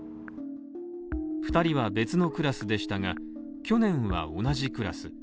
２人は別のクラスでしたが、去年は同じクラス。